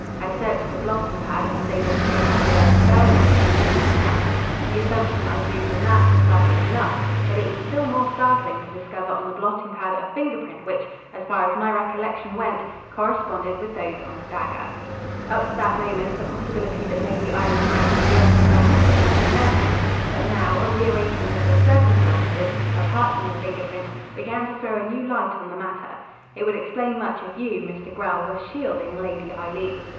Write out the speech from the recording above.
I searched the blotting pad, and was able to make out the words Burghley and £200. The assumption I drew from that was startling enough, but it was still more startling to discover on the blotting pad a finger print which, as far as my recollection went, corresponded with those on the dagger. "Up to that moment, the possibility that Lady Eileen might be the guilty person had not occurred to me. But now a rearrangement of the circumstances, apart from the finger print, began to throw a new light on the matter. It would explain much if you, Mr. Grell, were shielding Lady Eileen.